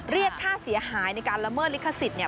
เรียกค่าเสียหายในการละเมิดลิขสิทธิ์เนี่ย